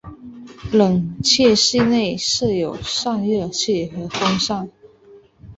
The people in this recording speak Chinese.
冷却室内设有散热器和风扇。